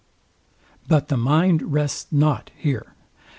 But the mind rests not here.